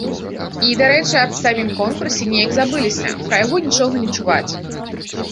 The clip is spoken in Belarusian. І, дарэчы, аб самім конкурсе неяк забыліся, пра яго нічога не чуваць.